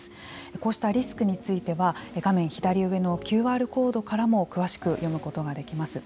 こうしたリスクについては画面左上のＱＲコードからも詳しく読むことができます。